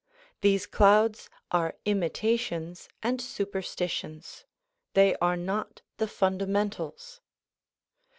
These clouds are imitations and superstitions; they are not the funda mentals.